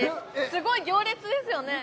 すごい行列ですよね